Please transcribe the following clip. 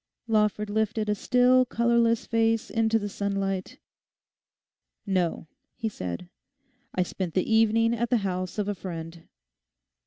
Lawford lifted a still, colourless face into the sunlight. 'No,' he said; 'I spent the evening at the house of a friend.